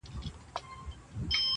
له کلونو له عمرونو یې روزلی٫